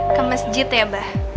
ke masjid ya bah